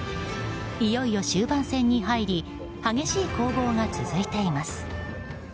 いよいよ終盤戦に入り激しい攻防が続いています。